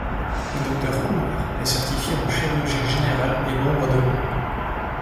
Le Dr Coomer est certifiée en chirurgie générale et membre de l'.